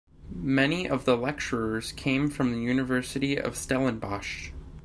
Many of the lecturers came from the University of Stellenbosch.